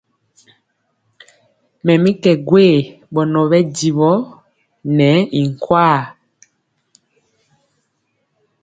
Mɛ mi kɛ gwee ɓɔnɔ ɓɛ jiwɔ nɛ i nkwaa.